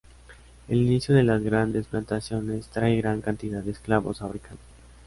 El inicio de las grandes plantaciones trae gran cantidad de esclavos africanos.